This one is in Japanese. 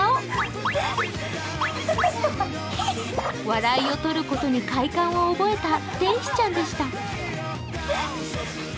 笑いをとることに快感を覚えた天使ちゃんでした。